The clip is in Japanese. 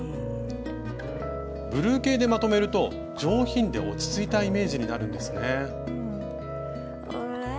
ブルー系でまとめると上品で落ち着いたイメージになるんですね。